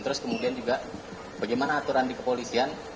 terus kemudian juga bagaimana aturan di kepolisian